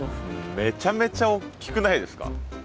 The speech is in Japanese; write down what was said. めちゃめちゃおっきくないですか？